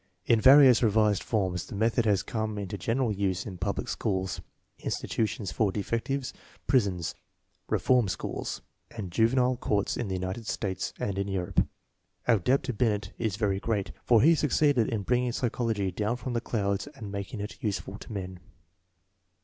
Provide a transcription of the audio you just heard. In various revised forms the method has come into general use in public schools, institutions for defectives, prisons, reform schools, and juvenile courts in the United States and in Europe. Our debt to Binet is very great, for he succeeded in bringing psychology down from the clouds and making it useful to men.